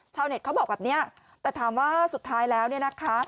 เน็ตเขาบอกแบบนี้แต่ถามว่าสุดท้ายแล้วเนี่ยนะคะ